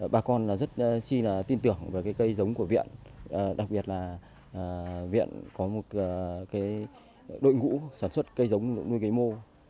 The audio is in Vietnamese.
bà con rất là tin tưởng về cây giống của viện đặc biệt là viện có một đội ngũ sản xuất cây giống cũng nuôi cây mô